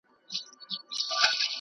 زه پرون کښېناستل وکړې!.